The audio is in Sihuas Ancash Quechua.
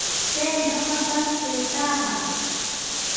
Paymi ñuqapa taytaaqa.